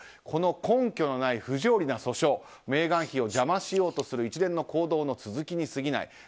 この根拠のない不条理な訴訟はメーガン妃を邪魔しようとする一連の行動の続きにすぎない。